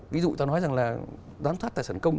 ví dụ ta nói rằng là giám sát tài sản công